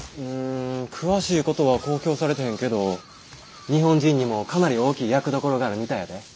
うん詳しいことは公表されてへんけど日本人にもかなり大きい役どころがあるみたいやで。